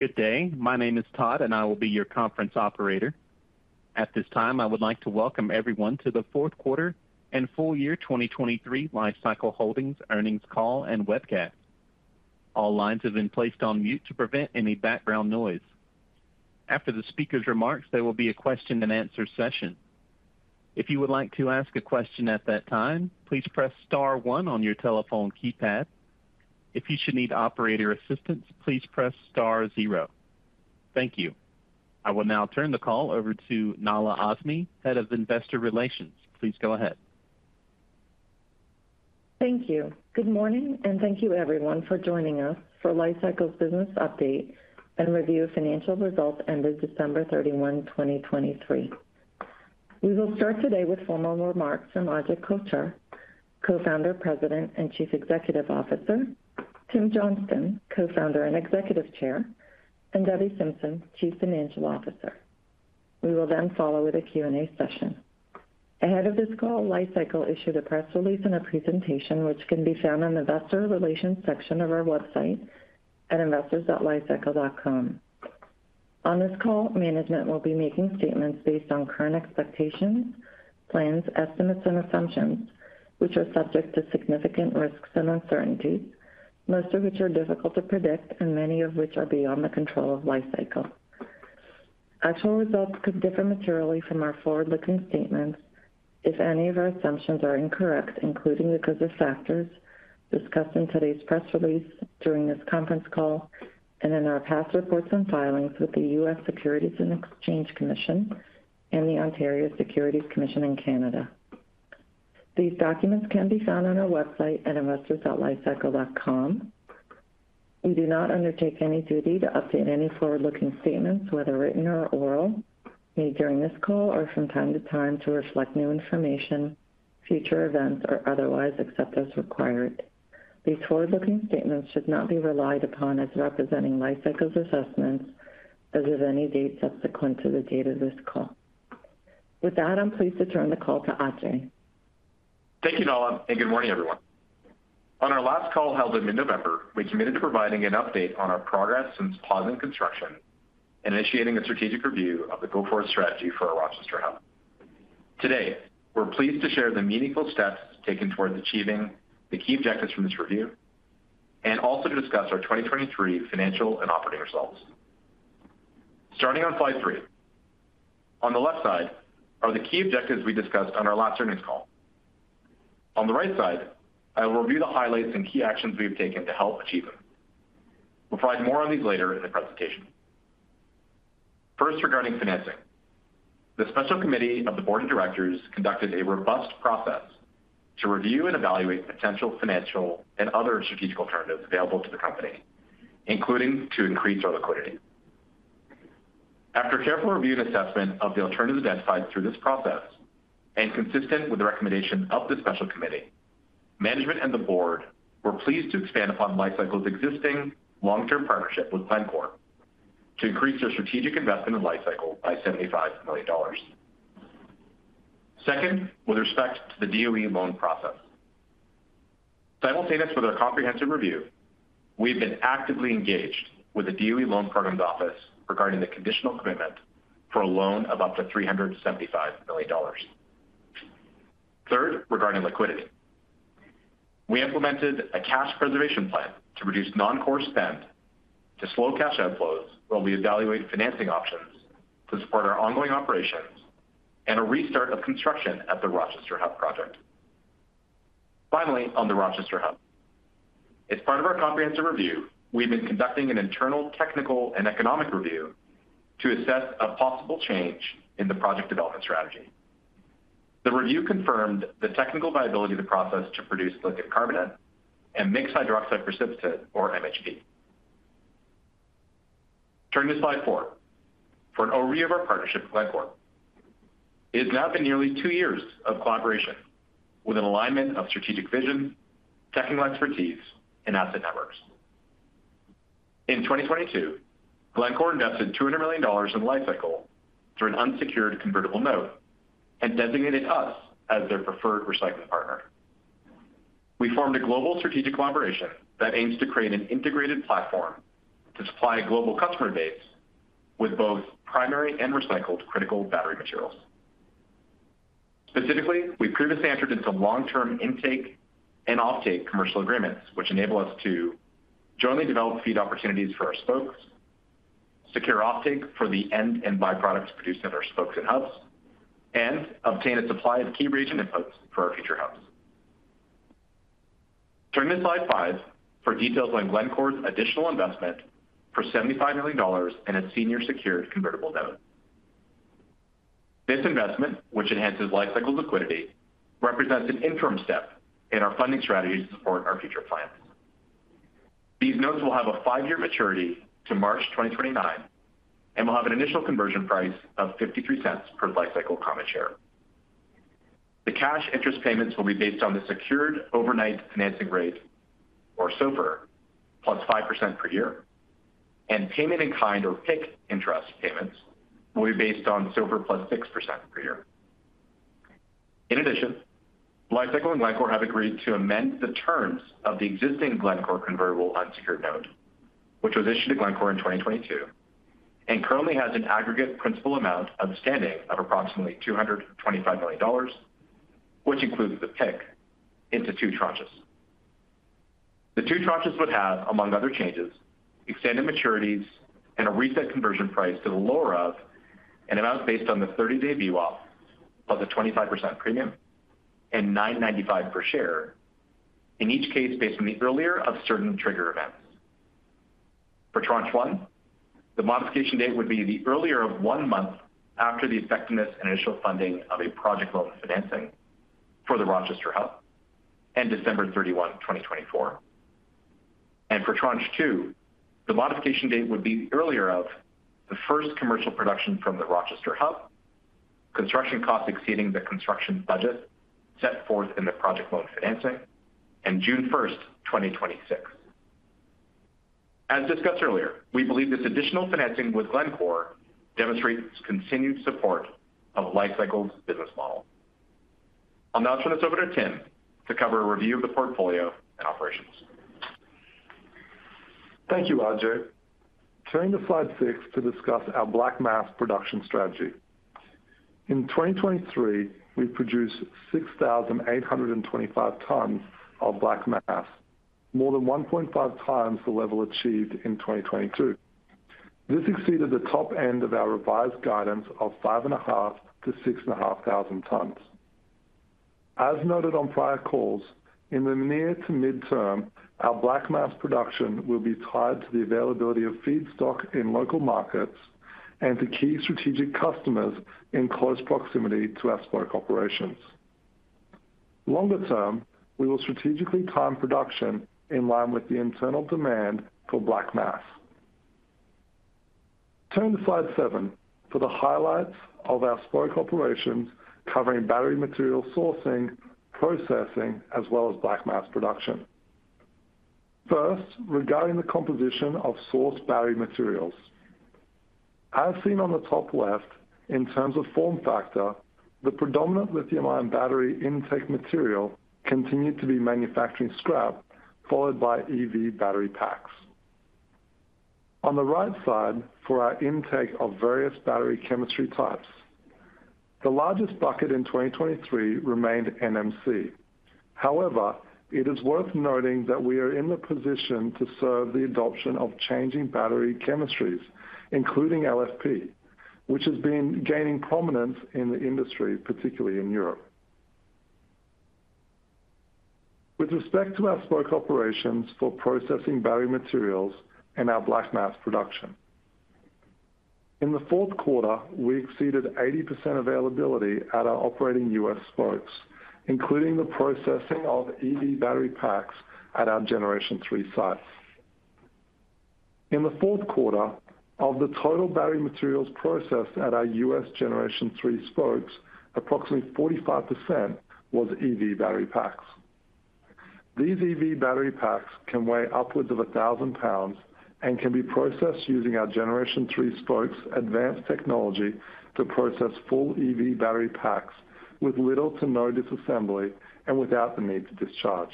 Good day. My name is Todd, and I will be your conference operator. At this time, I would like to welcome everyone to the fourth quarter and full year 2023 Li-Cycle Holdings earnings call and webcast. All lines have been placed on mute to prevent any background noise. After the speaker's remarks, there will be a question-and-answer session. If you would like to ask a question at that time, please press star one on your telephone keypad. If you should need operator assistance, please press star zero. Thank you. I will now turn the call over to Nahla Azmy, head of investor relations. Please go ahead. Thank you. Good morning, and thank you, everyone, for joining us for Li-Cycle's business update and review of financial results ended December 31, 2023. We will start today with formal remarks from Ajay Kochhar, Co-founder, President, and Chief Executive Officer; Tim Johnston, Co-founder and Executive Chair; and Debbie Simpson, Chief Financial Officer. We will then follow with a Q&A session. Ahead of this call, Li-Cycle issued a press release and a presentation which can be found in the investor relations section of our website at investors.li-cycle.com. On this call, management will be making statements based on current expectations, plans, estimates, and assumptions, which are subject to significant risks and uncertainties, most of which are difficult to predict and many of which are beyond the control of Li-Cycle. Actual results could differ materially from our forward-looking statements if any of our assumptions are incorrect, including because of factors discussed in today's press release, during this conference call, and in our past reports and filings with the U.S. Securities and Exchange Commission and the Ontario Securities Commission in Canada. These documents can be found on our website at investors.li-cycle.com. We do not undertake any duty to update any forward-looking statements, whether written or oral, made during this call or from time to time to reflect new information, future events, or otherwise except as required. These forward-looking statements should not be relied upon as representing Li-Cycle's assessments as of any date subsequent to the date of this call. With that, I'm pleased to turn the call to Ajay. Thank you, Nahla, and good morning, everyone. On our last call held in mid-November, we committed to providing an update on our progress since pausing construction and initiating a strategic review of the go-forward strategy for our Rochester Hub. Today, we're pleased to share the meaningful steps taken towards achieving the key objectives from this review and also to discuss our 2023 financial and operating results. Starting on Slide 3, on the left side are the key objectives we discussed on our last earnings call. On the right side, I will review the highlights and key actions we have taken to help achieve them. We'll provide more on these later in the presentation. First, regarding financing, the special committee of the board of directors conducted a robust process to review and evaluate potential financial and other strategic alternatives available to the company, including to increase our liquidity. After careful review and assessment of the alternatives identified through this process and consistent with the recommendations of the special committee, management and the board were pleased to expand upon Li-Cycle's existing long-term partnership with Glencore to increase their strategic investment in Li-Cycle by $75 million. Second, with respect to the DOE loan process, simultaneous with our comprehensive review, we have been actively engaged with the DOE Loan Programs Office regarding the conditional commitment for a loan of up to $375 million. Third, regarding liquidity, we implemented a cash preservation plan to reduce non-core spend, to slow cash outflows, while we evaluate financing options to support our ongoing operations, and a restart of construction at the Rochester Hub project. Finally, on the Rochester Hub, as part of our comprehensive review, we've been conducting an internal technical and economic review to assess a possible change in the project development strategy. The review confirmed the technical viability of the process to produce lithium carbonate and mixed hydroxide precipitate, or MHP. Turning to Slide 4 for an overview of our partnership with Glencore. It has now been nearly two years of collaboration with an alignment of strategic vision, technical expertise, and asset networks. In 2022, Glencore invested $200 million in Li-Cycle through an unsecured convertible note and designated us as their preferred recycling partner. We formed a global strategic collaboration that aims to create an integrated platform to supply a global customer base with both primary and recycled critical battery materials. Specifically, we previously entered into long-term intake and offtake commercial agreements which enable us to jointly develop feed opportunities for our spokes, secure offtake for the end and byproducts produced at our spokes and hubs, and obtain a supply of key region inputs for our future hubs. Turning to Slide 5 for details on Glencore's additional investment for $75 million in a senior secured convertible note. This investment, which enhances Li-Cycle's liquidity, represents an interim step in our funding strategy to support our future plans. These notes will have a five-year maturity to March 2029 and will have an initial conversion price of $0.53 per Li-Cycle common share. The cash interest payments will be based on the secured overnight financing rate, or SOFR, plus 5% per year, and payment in kind, or PIK, interest payments will be based on SOFR +6% per year. In addition, Li-Cycle and Glencore have agreed to amend the terms of the existing Glencore convertible unsecured note, which was issued to Glencore in 2022 and currently has an aggregate principal amount outstanding of approximately $225 million, which includes the PIK into two tranches. The two tranches would have, among other changes, extended maturities and a reset conversion price to the lower of an amount based on the 30-Day VWAP plus a 25% premium and $9.95 per share, in each case based on the earlier of certain trigger events. For Tranche 1, the modification date would be the earlier of one month after the effectiveness and initial funding of a project loan financing for the Rochester hub and December 31, 2024. For Tranche 2, the modification date would be the earlier of the first commercial production from the Rochester hub, construction costs exceeding the construction budget set forth in the project loan financing, and June 1st, 2026. As discussed earlier, we believe this additional financing with Glencore demonstrates continued support of Li-Cycle's business model. I'll now turn this over to Tim to cover a review of the portfolio and operations. Thank you, Ajay. Turning to Slide 6 to discuss our black mass production strategy. In 2023, we produced 6,825 tons of black mass, more than 1.5x the level achieved in 2022. This exceeded the top end of our revised guidance of 5,500-6,500 tons. As noted on prior calls, in the near to mid-term, our black mass production will be tied to the availability of feedstock in local markets and to key strategic customers in close proximity to our Spoke operations. Longer term, we will strategically time production in line with the internal demand for black mass. Turning to Slide 7 for the highlights of our Spoke operations covering battery material sourcing, processing, as well as black mass production. First, regarding the composition of sourced battery materials. As seen on the top left, in terms of form factor, the predominant lithium-ion battery intake material continued to be manufacturing scrap, followed by EV battery packs. On the right side for our intake of various battery chemistry types, the largest bucket in 2023 remained NMC. However, it is worth noting that we are in the position to serve the adoption of changing battery chemistries, including LFP, which has been gaining prominence in the industry, particularly in Europe. With respect to our spoke operations for processing battery materials and our black mass production, in the fourth quarter, we exceeded 80% availability at our operating U.S. spokes, including the processing of EV battery packs at our Generation 3 sites. In the fourth quarter of the total battery materials processed at our U.S. Generation 3 spokes, approximately 45% was EV battery packs. These EV battery packs can weigh upwards of 1,000 lbs and can be processed using our Generation 3 Spokes' advanced technology to process full EV battery packs with little to no disassembly and without the need to discharge.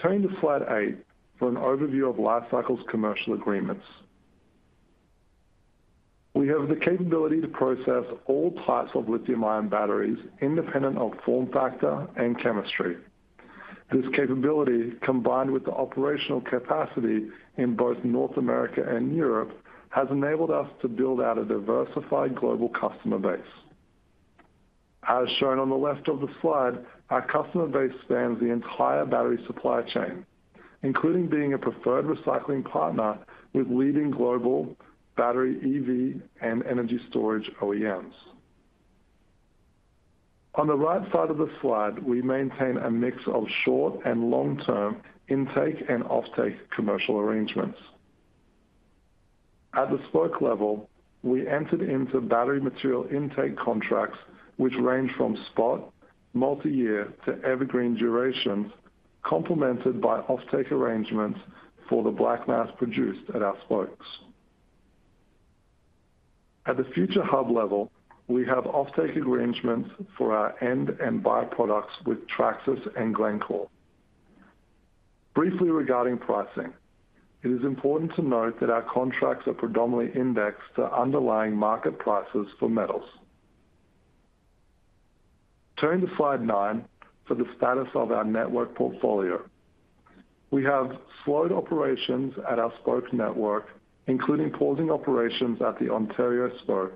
Turning to Slide 8 for an overview of Li-Cycle's commercial agreements. We have the capability to process all types of lithium-ion batteries independent of form factor and chemistry. This capability, combined with the operational capacity in both North America and Europe, has enabled us to build out a diversified global customer base. As shown on the left of the slide, our customer base spans the entire battery supply chain, including being a preferred recycling partner with leading global battery EV and energy storage OEMs. On the right side of the slide, we maintain a mix of short and long-term intake and offtake commercial arrangements. At the spoke level, we entered into battery material intake contracts which range from spot, multi-year, to evergreen durations, complemented by offtake arrangements for the black mass produced at our spokes. At the future hub level, we have offtake arrangements for our end and byproducts with Traxys and Glencore. Briefly regarding pricing, it is important to note that our contracts are predominantly indexed to underlying market prices for metals. Turning to Slide 9 for the status of our network portfolio, we have slowed operations at our spoke network, including pausing operations at the Ontario Spoke,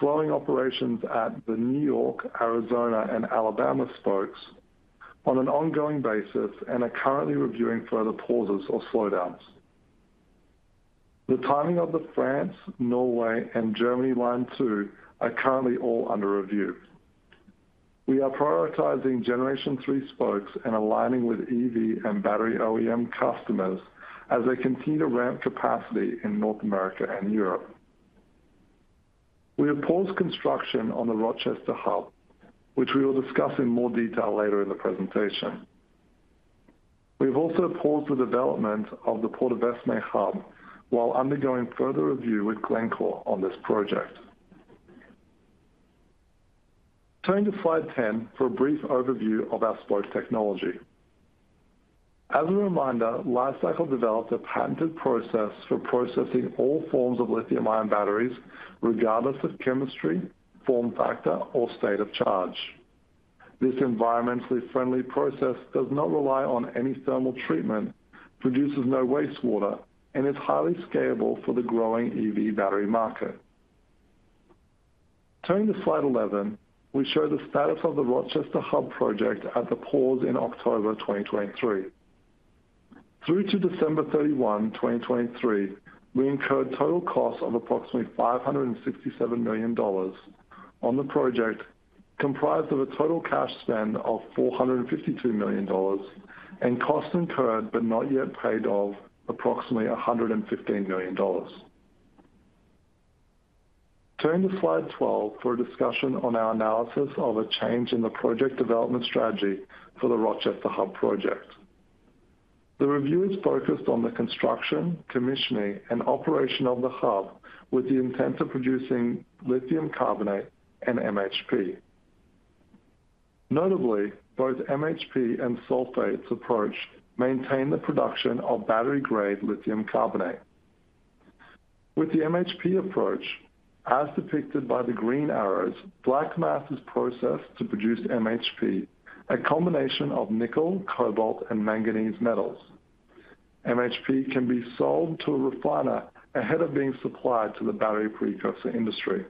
slowing operations at the New York, Arizona, and Alabama Spokes on an ongoing basis, and are currently reviewing further pauses or slowdowns. The timing of the France, Norway, and Germany Line 2 are currently all under review. We are prioritizing Generation 3 Spokes and aligning with EV and battery OEM customers as they continue to ramp capacity in North America and Europe. We have paused construction on the Rochester hub, which we will discuss in more detail later in the presentation. We have also paused the development of the Portovesme Hub while undergoing further review with Glencore on this project. Turning to Slide 10 for a brief overview of our spoke technology. As a reminder, Li-Cycle developed a patented process for processing all forms of lithium-ion batteries, regardless of chemistry, form factor, or state of charge. This environmentally friendly process does not rely on any thermal treatment, produces no wastewater, and is highly scalable for the growing EV battery market. Turning to Slide 11, we show the status of the Rochester hub project at the pause in October 2023. Through to December 31, 2023, we incurred total costs of approximately $567 million on the project, comprised of a total cash spend of $452 million, and costs incurred but not yet paid of approximately $115 million. Turning to Slide 12 for a discussion on our analysis of a change in the project development strategy for the Rochester hub project. The review is focused on the construction, commissioning, and operation of the hub with the intent of producing lithium carbonate and MHP. Notably, both MHP and sulfates approach maintain the production of battery-grade lithium carbonate. With the MHP approach, as depicted by the green arrows, black mass is processed to produce MHP, a combination of nickel, cobalt, and manganese metals. MHP can be sold to a refiner ahead of being supplied to the battery precursor industry.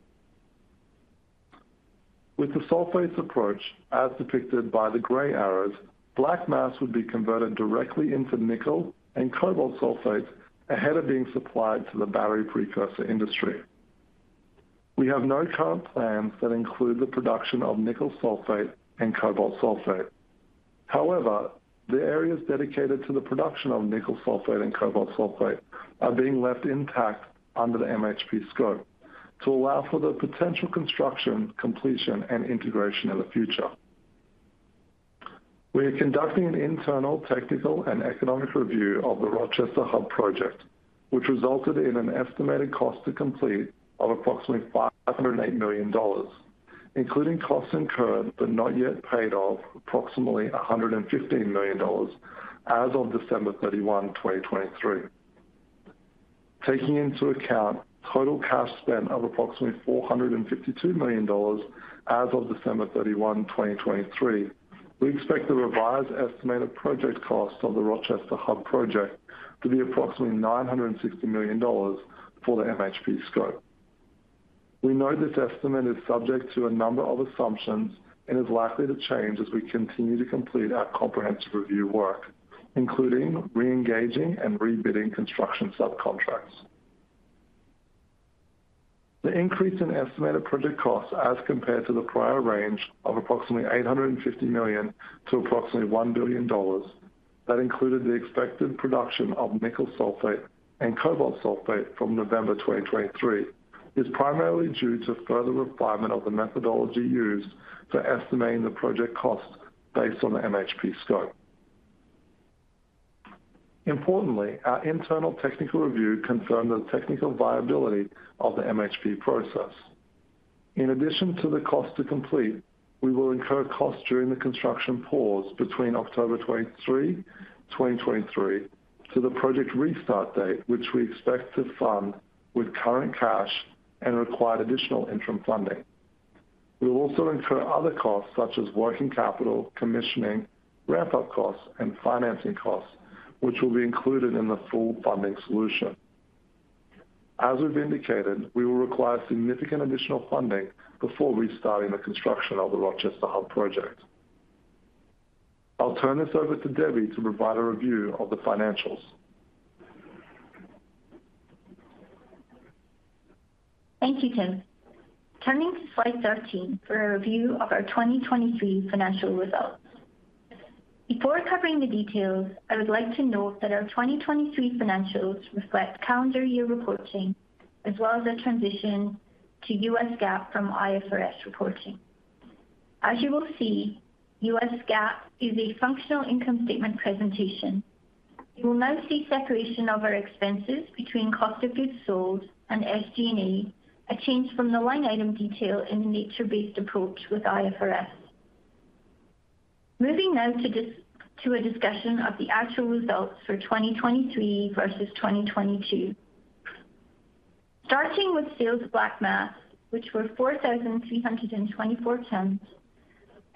With the sulfates approach, as depicted by the gray arrows, black mass would be converted directly into nickel and cobalt sulfates ahead of being supplied to the battery precursor industry. We have no current plans that include the production of nickel sulfate and cobalt sulfate. However, the areas dedicated to the production of nickel sulfate and cobalt sulfate are being left intact under the MHP scope to allow for the potential construction, completion, and integration in the future. We are conducting an internal technical and economic review of the Rochester Hub project, which resulted in an estimated cost to complete of approximately $508 million, including costs incurred but not yet paid of approximately $115 million as of December 31, 2023. Taking into account total cash spend of approximately $452 million as of December 31, 2023, we expect the revised estimate of project costs of the Rochester Hub project to be approximately $960 million for the MHP scope. We know this estimate is subject to a number of assumptions and is likely to change as we continue to complete our comprehensive review work, including reengaging and rebidding construction subcontracts. The increase in estimated project costs as compared to the prior range of approximately $850 million-$1 billion that included the expected production of nickel sulfate and cobalt sulfate from November 2023 is primarily due to further refinement of the methodology used for estimating the project costs based on the MHP scope. Importantly, our internal technical review confirmed the technical viability of the MHP process. In addition to the cost to complete, we will incur costs during the construction pause between October 23, 2023, to the project restart date, which we expect to fund with current cash and require additional interim funding. We will also incur other costs such as working capital, commissioning, ramp-up costs, and financing costs, which will be included in the full funding solution. As we've indicated, we will require significant additional funding before restarting the construction of the Rochester Hub project. I'll turn this over to Debbie to provide a review of the financials. Thank you, Tim. Turning to Slide 13 for a review of our 2023 financial results. Before covering the details, I would like to note that our 2023 financials reflect calendar year reporting as well as a transition to U.S. GAAP from IFRS reporting. As you will see, U.S. GAAP is a functional income statement presentation. You will now see separation of our expenses between cost of goods sold and SG&A, a change from the line item detail in the nature-based approach with IFRS. Moving now to a discussion of the actual results for 2023 versus 2022. Starting with sales of black mass, which were 4,324 tons,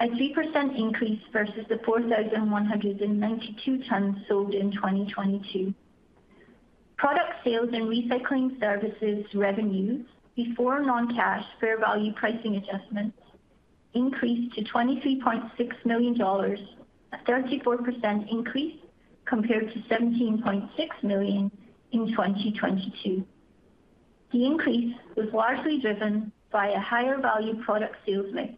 a 3% increase versus the 4,192 tons sold in 2022. Product sales and recycling services revenues before non-cash fair value pricing adjustments increased to $23.6 million, a 34% increase compared to $17.6 million in 2022. The increase was largely driven by a higher value product sales mix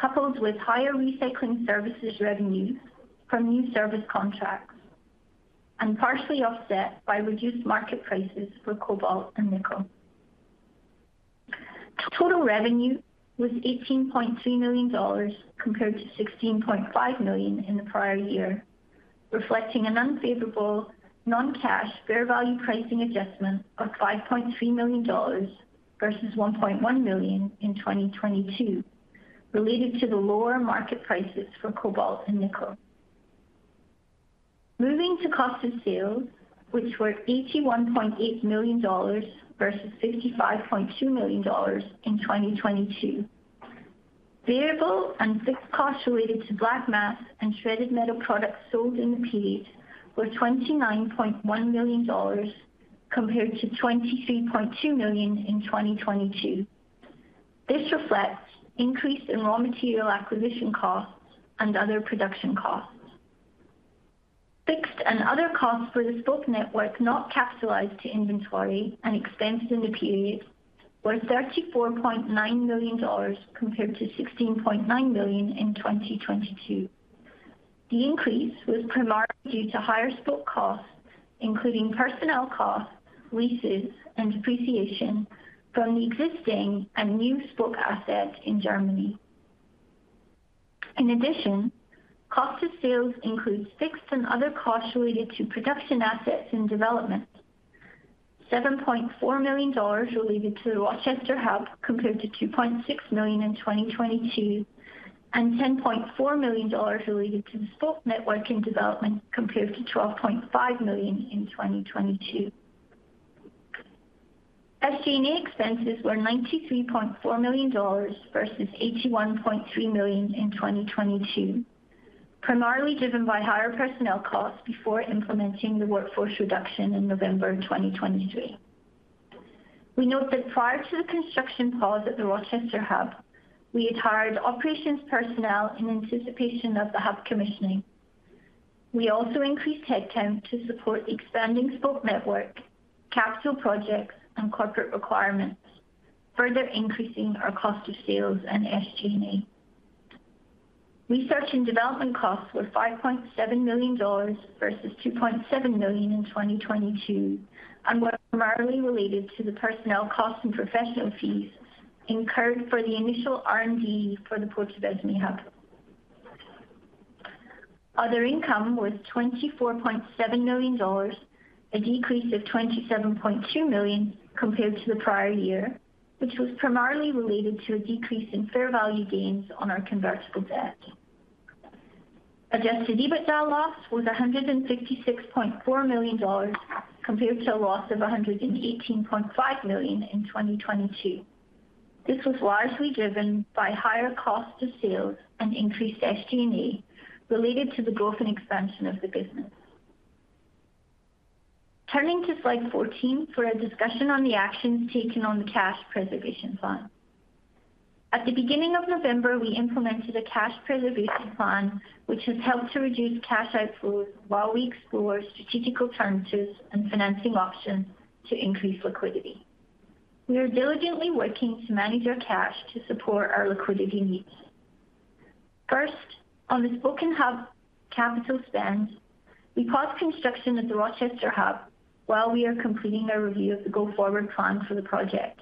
coupled with higher recycling services revenues from new service contracts and partially offset by reduced market prices for cobalt and nickel. Total revenue was $18.3 million compared to $16.5 million in the prior year, reflecting an unfavorable non-cash fair value pricing adjustment of $5.3 million versus $1.1 million in 2022 related to the lower market prices for cobalt and nickel. Moving to cost of sales, which were $81.8 million versus $55.2 million in 2022. Variable and fixed costs related to black mass and shredded metal products sold in the period were $29.1 million compared to $23.2 million in 2022. This reflects increased in raw material acquisition costs and other production costs. Fixed and other costs for the Spoke network not capitalized to inventory and expenses in the period were $34.9 million compared to $16.9 million in 2022. The increase was primarily due to higher spoke costs, including personnel costs, leases, and depreciation from the existing and new spoke assets in Germany. In addition, cost of sales includes fixed and other costs related to production assets in development, $7.4 million related to the Rochester Hub compared to $2.6 million in 2022, and $10.4 million related to the spoke network in development compared to $12.5 million in 2022. SG&A expenses were $93.4 million versus $81.3 million in 2022, primarily driven by higher personnel costs before implementing the workforce reduction in November 2023. We note that prior to the construction pause at the Rochester Hub, we had hired operations personnel in anticipation of the hub commissioning. We also increased headcount to support the expanding spoke network, capital projects, and corporate requirements, further increasing our cost of sales and SG&A. Research and development costs were $5.7 million versus $2.7 million in 2022 and were primarily related to the personnel costs and professional fees incurred for the initial R&D for the Portovesme Hub. Other income was $24.7 million, a decrease of $27.2 million compared to the prior year, which was primarily related to a decrease in fair value gains on our convertible debt. Adjusted EBITDA loss was $156.4 million compared to a loss of $118.5 million in 2022. This was largely driven by higher cost of sales and increased SG&A related to the growth and expansion of the business. Turning to Slide 14 for a discussion on the actions taken on the cash preservation plan. At the beginning of November, we implemented a cash preservation plan which has helped to reduce cash outflows while we explore strategical terms and financing options to increase liquidity. We are diligently working to manage our cash to support our liquidity needs. First, on the Spoke and Hub capital spend, we paused construction at the Rochester Hub while we are completing our review of the go-forward plan for the project,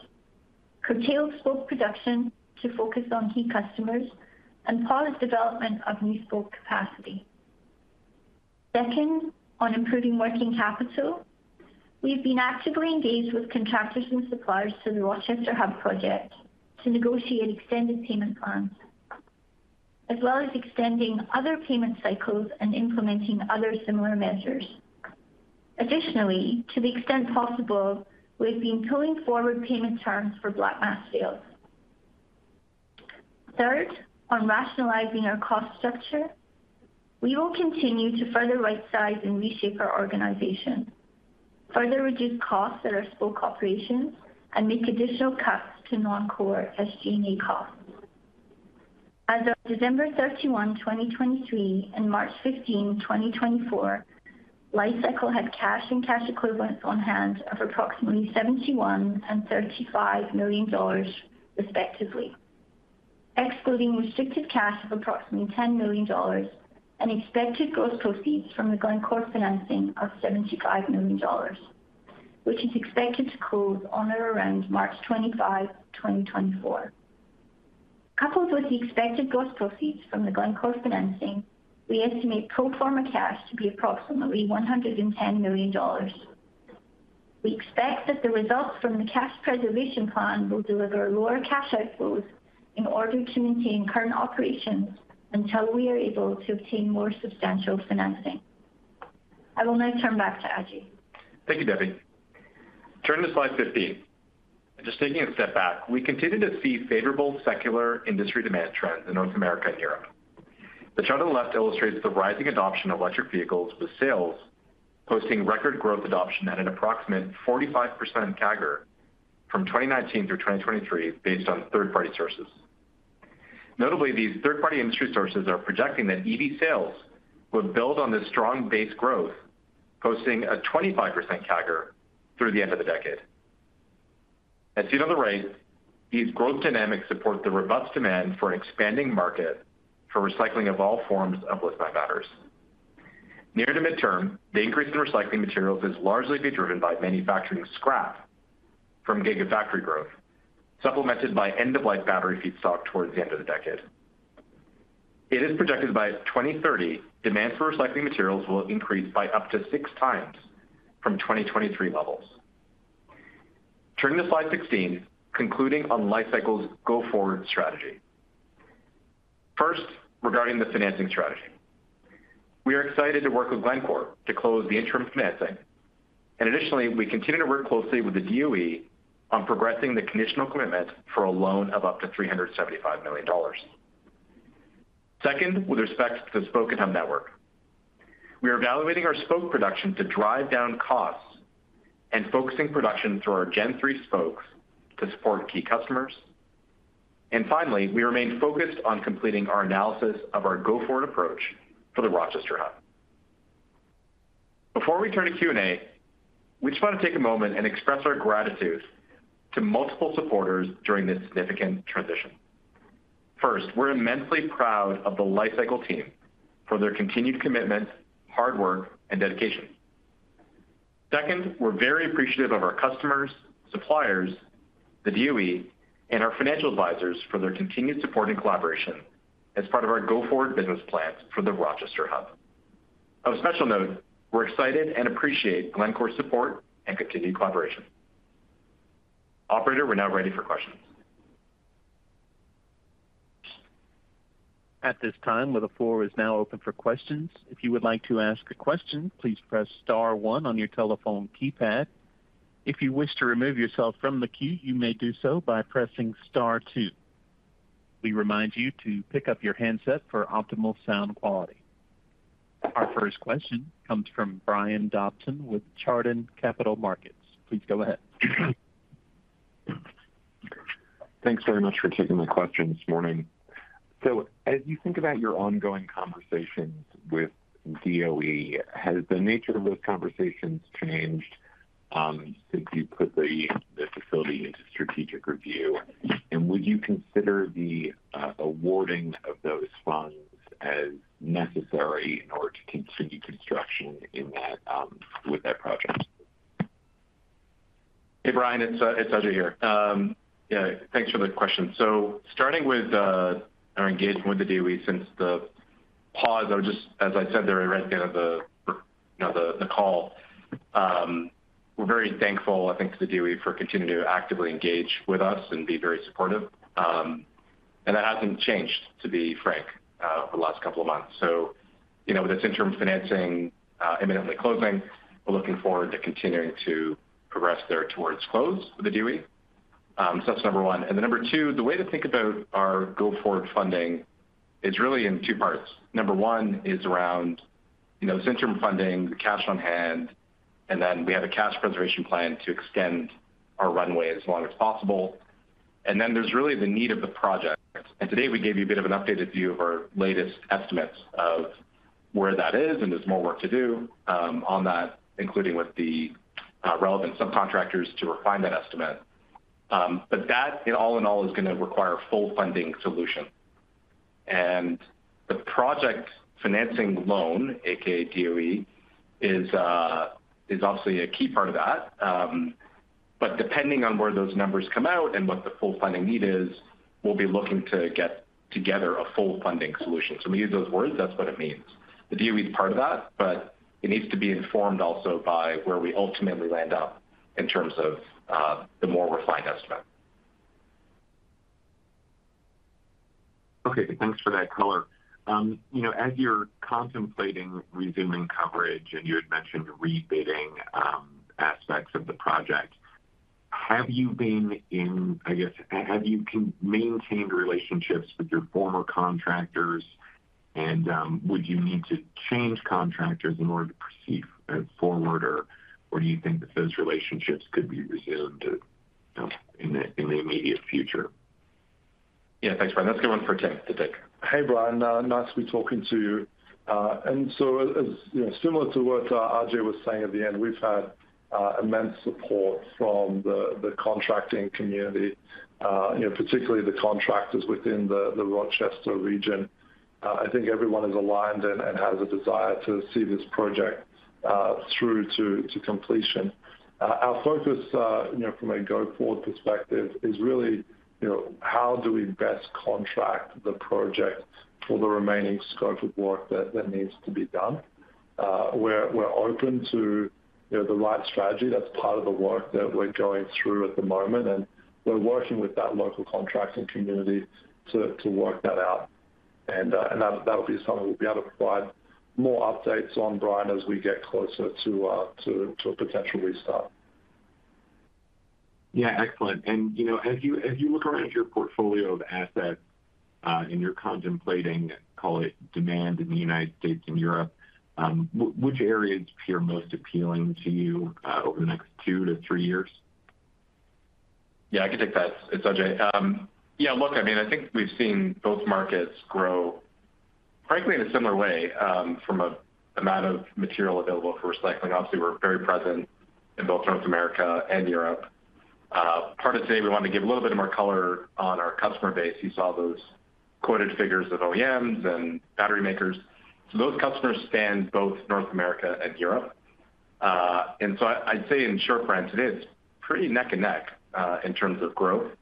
curtailed Spoke production to focus on key customers, and paused development of new Spoke capacity. Second, on improving working capital, we've been actively engaged with contractors and suppliers to the Rochester Hub project to negotiate extended payment plans as well as extending other payment cycles and implementing other similar measures. Additionally, to the extent possible, we've been pulling forward payment terms for black mass sales. Third, on rationalizing our cost structure, we will continue to further right-size and reshape our organization, further reduce costs at our Spoke operations, and make additional cuts to non-core SG&A costs. As of December 31, 2023, and March 15, 2024, Li-Cycle had cash and cash equivalents on hand of approximately $71 million and $35 million, respectively, excluding restricted cash of approximately $10 million and expected gross proceeds from the Glencore financing of $75 million, which is expected to close on or around March 25, 2024. Coupled with the expected gross proceeds from the Glencore financing, we estimate pro forma cash to be approximately $110 million. We expect that the results from the cash preservation plan will deliver lower cash outflows in order to maintain current operations until we are able to obtain more substantial financing. I will now turn back to Ajay. Thank you, Debbie. Turning to Slide 15. Just taking a step back, we continue to see favorable secular industry demand trends in North America and Europe. The chart on the left illustrates the rising adoption of electric vehicles with sales posting record growth adoption at an approximate 45% CAGR from 2019 through 2023 based on third-party sources. Notably, these third-party industry sources are projecting that EV sales will build on this strong base growth, posting a 25% CAGR through the end of the decade. As seen on the right, these growth dynamics support the robust demand for an expanding market for recycling of all forms of lithium batteries. Near to midterm, the increase in recycling materials is largely driven by manufacturing scrap from gigafactory growth supplemented by end-of-life battery feedstock towards the end of the decade. It is projected by 2030, demand for recycling materials will increase by up to six times from 2023 levels. Turning to Slide 16, concluding on Li-Cycle's go-forward strategy. First, regarding the financing strategy, we are excited to work with Glencore to close the interim financing. And additionally, we continue to work closely with the DOE on progressing the conditional commitment for a loan of up to $375 million. Second, with respect to the Spoke & Hub network, we are evaluating our spoke production to drive down costs and focusing production through our Gen 3 spokes to support key customers. And finally, we remain focused on completing our analysis of our go-forward approach for the Rochester Hub. Before we turn to Q&A, we just want to take a moment and express our gratitude to multiple supporters during this significant transition. First, we're immensely proud of the Li-Cycle team for their continued commitment, hard work, and dedication. Second, we're very appreciative of our customers, suppliers, the DOE, and our financial advisors for their continued support and collaboration as part of our go-forward business plans for the Rochester Hub. Of special note, we're excited and appreciate Glencore's support and continued collaboration. Operator, we're now ready for questions. At this time, the floor is now open for questions. If you would like to ask a question, please press star one on your telephone keypad. If you wish to remove yourself from the queue, you may do so by pressing star two. We remind you to pick up your handset for optimal sound quality. Our first question comes from Brian Dobson with Chardan Capital Markets. Please go ahead. Thanks very much for taking my question this morning. So as you think about your ongoing conversations with DOE, has the nature of those conversations changed since you put the facility into strategic review? And would you consider the awarding of those funds as necessary in order to continue construction with that project? Hey, Brian. It's Ajay here. Yeah, thanks for the question. So starting with our engagement with the DOE since the pause, as I said there right at the end of the call, we're very thankful, I think, to the DOE for continuing to actively engage with us and be very supportive. And that hasn't changed, to be frank, over the last couple of months. So with this interim financing imminently closing, we're looking forward to continuing to progress there towards close with the DOE. So that's number one. And then number two, the way to think about our go-forward funding is really in two parts. Number one is around this interim funding, the cash on hand, and then we have a cash preservation plan to extend our runway as long as possible. And then there's really the need of the project. Today, we gave you a bit of an updated view of our latest estimates of where that is, and there's more work to do on that, including with the relevant subcontractors to refine that estimate. That, all in all, is going to require full funding solutions. The project financing loan, aka DOE, is obviously a key part of that. Depending on where those numbers come out and what the full funding need is, we'll be looking to get together a full funding solution. When we use those words, that's what it means. The DOE is part of that, but it needs to be informed also by where we ultimately land up in terms of the more refined estimate. Okay. Thanks for that color. As you're contemplating resuming coverage and you had mentioned rebidding aspects of the project, have you been in, I guess, have you maintained relationships with your former contractors? And would you need to change contractors in order to proceed forward, or do you think that those relationships could be resumed in the immediate future? Yeah. Thanks, Brian. That's a good one for Tim to take. Hey, Brian. Nice to be talking to you. And so similar to what Ajay was saying at the end, we've had immense support from the contracting community, particularly the contractors within the Rochester region. I think everyone is aligned and has a desire to see this project through to completion. Our focus, from a go-forward perspective, is really how do we best contract the project for the remaining scope of work that needs to be done. We're open to the right strategy. That's part of the work that we're going through at the moment. And we're working with that local contracting community to work that out. And that'll be something we'll be able to provide more updates on, Brian, as we get closer to a potential restart. Yeah. Excellent. As you look around at your portfolio of assets and you're contemplating, call it, demand in the United States and Europe, which areas appear most appealing to you over the next two, three years? Yeah. I can take that. It's Ajay. Yeah. Look, I mean, I think we've seen both markets grow, frankly, in a similar way from a amount of material available for recycling. Obviously, we're very present in both North America and Europe. Part of today, we wanted to give a little bit more color on our customer base. You saw those quoted figures of OEMs and battery makers. So those customers span both North America and Europe. And so I'd say in short, Brian, today, it's pretty neck and neck in terms of growth.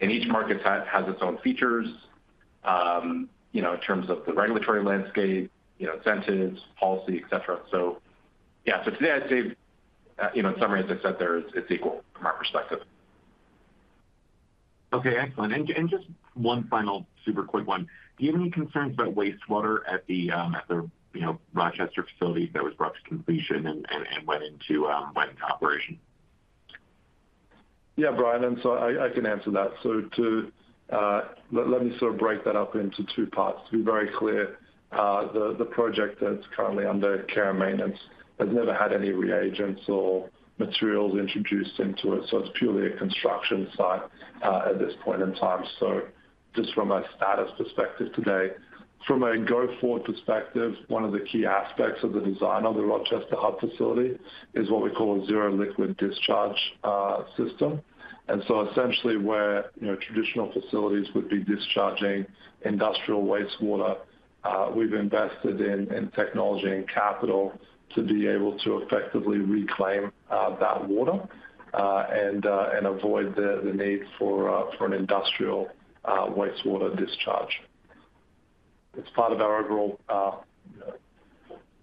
And each market has its own features in terms of the regulatory landscape, incentives, policy, etc. So yeah. So today, I'd say in summary, as I said, it's equal from our perspective. Okay. Excellent. Just one final super quick one. Do you have any concerns about wastewater at the Rochester facility that was brought to completion and went into operation? Yeah, Brian. And so I can answer that. So let me sort of break that up into two parts. To be very clear, the project that's currently under care and maintenance has never had any reagents or materials introduced into it. So it's purely a construction site at this point in time. So just from a status perspective today, from a go-forward perspective, one of the key aspects of the design of the Rochester Hub facility is what we call a zero-liquid discharge system. And so essentially, where traditional facilities would be discharging industrial wastewater, we've invested in technology and capital to be able to effectively reclaim that water and avoid the need for an industrial wastewater discharge. It's part of our overall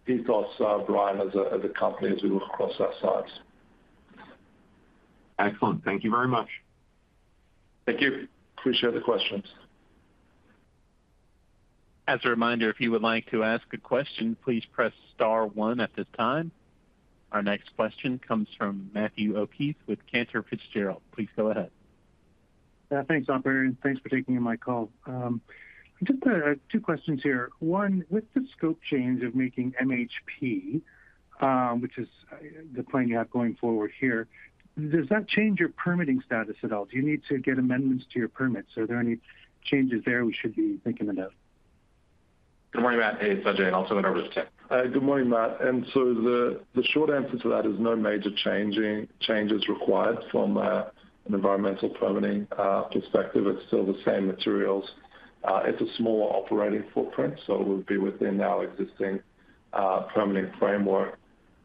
ethos, Brian, as a company as we look across our sites. Excellent. Thank you very much. Thank you. Appreciate the questions. As a reminder, if you would like to ask a question, please press star one at this time. Our next question comes from Matthew O'Keefe with Cantor Fitzgerald. Please go ahead. Yeah. Thanks, Operator. And thanks for taking in my call. Just two questions here. One, with the scope change of making MHP, which is the plan you have going forward here, does that change your permitting status at all? Do you need to get amendments to your permits? Are there any changes there we should be thinking about? Good morning, Matt. Hey, it's Ajay. I'll turn it over to Tim. Good morning, Matt. And so the short answer to that is no major changes required from an environmental permitting perspective. It's still the same materials. It's a smaller operating footprint, so it would be within our existing permitting framework.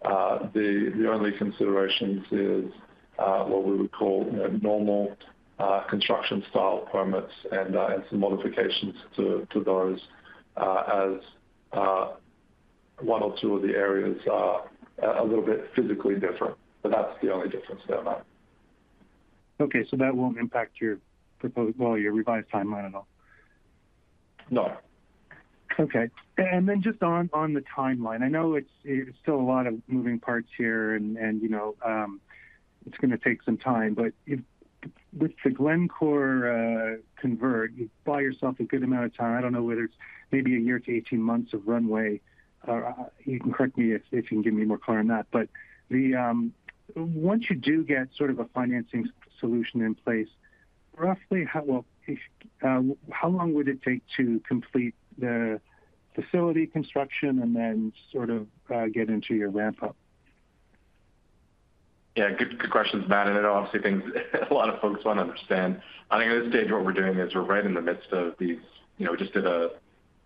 The only considerations is what we would call normal construction-style permits and some modifications to those as one or two of the areas are a little bit physically different. But that's the only difference there, Matt. Okay. That won't impact your revised timeline at all? No. Okay. And then just on the timeline, I know it's still a lot of moving parts here, and it's going to take some time. But with the Glencore Convert, you buy yourself a good amount of time. I don't know whether it's maybe a year to 18 months of runway. You can correct me if you can give me more color on that. But once you do get sort of a financing solution in place, roughly, well, how long would it take to complete the facility construction and then sort of get into your ramp-up? Yeah. Good questions, Matt. And it'll obviously things a lot of folks want to understand. I think at this stage, what we're doing is we're right in the midst of these. We just did an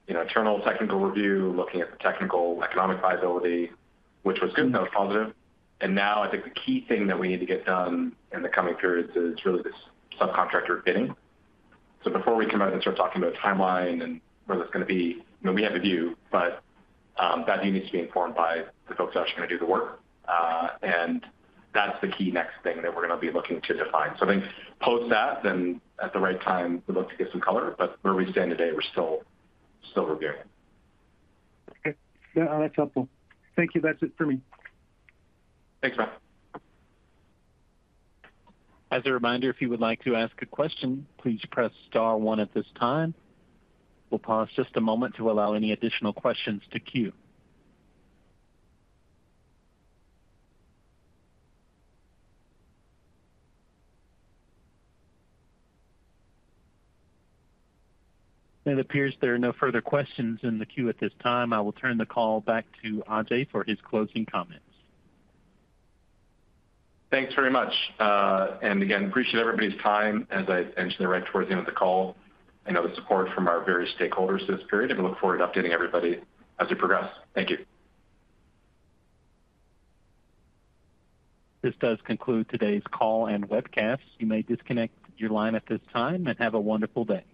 internal technical review looking at the technical economic viability, which was good. That was positive. And now, I think the key thing that we need to get done in the coming periods is really this subcontractor bidding. So before we come out and start talking about timeline and where that's going to be, we have a view, but that view needs to be informed by the folks that are actually going to do the work. And that's the key next thing that we're going to be looking to define. So I think post that, then at the right time, we'd love to get some color. But where we stand today, we're still reviewing. Okay. Yeah. That's helpful. Thank you. That's it for me. Thanks, Matt. As a reminder, if you would like to ask a question, please press star one at this time. We'll pause just a moment to allow any additional questions to queue. And it appears there are no further questions in the queue at this time. I will turn the call back to Ajay for his closing comments. Thanks very much. Again, appreciate everybody's time. As I mentioned there right towards the end of the call, I know the support from our various stakeholders this period. We look forward to updating everybody as we progress. Thank you. This does conclude today's call and webcast. You may disconnect your line at this time and have a wonderful day.